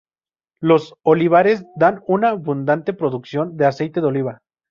Los olivares dan una abundante producción de aceite de oliva.